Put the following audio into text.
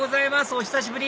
お久しぶり